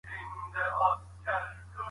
بریښنایي طبي ریکارډونه څه دي؟